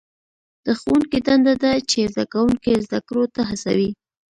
د ښوونکي دنده ده چې زده کوونکي زده کړو ته هڅوي.